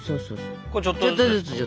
これちょっとずつですか？